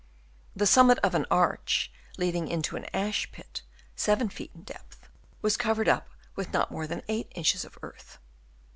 The summit of an arch, leading into an ash pit 7 feet in depth, was covered up with not more than 8 inches of earth.